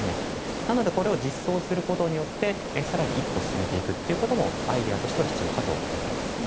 なのでこれを実装することによって更に一歩進めていくこともアイデアとしては必要かと思います。